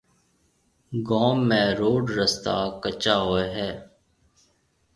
گوم ۾ روڊ رستا ڪَچا هوئي هيَ۔